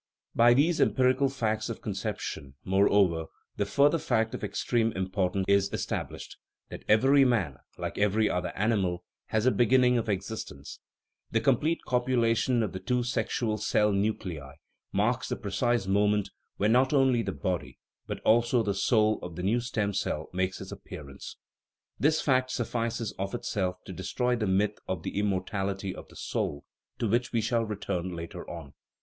By these empirical facts of conception, moreover, the further fact of extreme importance is established, that every man, like every other animal, has a begin ning of existence ; the complete copulation of the two sexual cell nuclei marks the precise moment when not only the body, but also the " soul," of the new stem cell makes its appearance. This fact suffices of itself to destroy the myth of the immortality of the soul, to which we shall return later on.